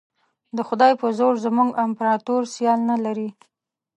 د خدای په زور زموږ امپراطور سیال نه لري.